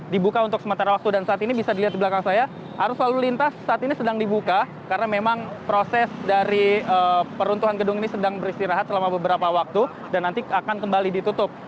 dibuka untuk sementara waktu dan saat ini bisa dilihat di belakang saya arus lalu lintas saat ini sedang dibuka karena memang proses dari peruntuhan gedung ini sedang beristirahat selama beberapa waktu dan nanti akan kembali ditutup